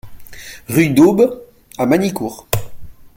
Rue d'Aube à Magnicourt